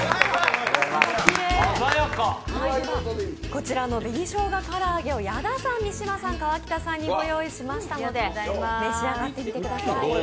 こちらの紅しょうがからあげを矢田さん、三島さん、川北さんにご用意しましたので、召し上がってみてください。